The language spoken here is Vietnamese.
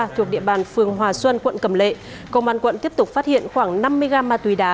thuộc địa bàn phường hòa xuân quận cầm lệ công an quận tiếp tục phát hiện khoảng năm mươi gram ma túy đá